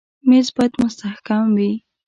مېز باید مستحکم وي.